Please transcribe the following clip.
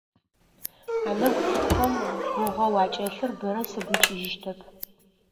Анэгу цӏыкӏухэм гугъэу акӏэлъыр бэрэ сыгу икӏыжьыщтэп.